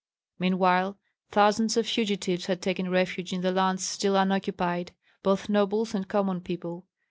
Meanwhile thousands of fugitives had taken refuge in the lands still unoccupied, both nobles and common people.